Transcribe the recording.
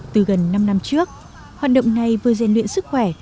từ gần năm năm trước hoạt động này vừa dành luyện sức khỏe